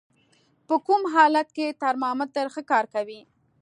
په کوم حالت کې ترمامتر ښه کار کوي؟